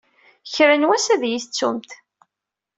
Kra n wass ad iyi-tettumt.